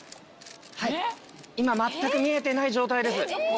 はい今全く見えてない状態です。